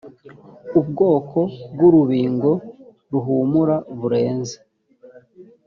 ubwoko bw ‘urubingo ruhumura bureze.